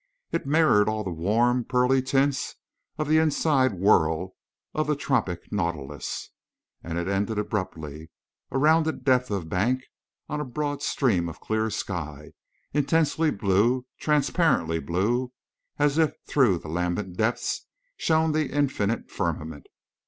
It mirrored all the warm, pearly tints of the inside whorl of the tropic nautilus. And it ended abruptly, a rounded depth of bank, on a broad stream of clear sky, intensely blue, transparently blue, as if through the lambent depths shone the infinite firmament.